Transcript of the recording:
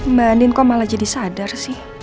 mbak nin kok malah jadi sadar sih